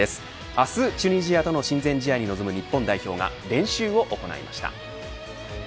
明日、チュニジアとの親善試合に臨む日本代表が練習を行いました。